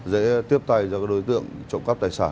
dễ tiếp tay cho các đối tượng trộm cắp tài sản